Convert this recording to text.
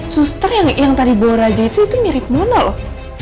suster yang tadi bawa raja itu mirip mona loh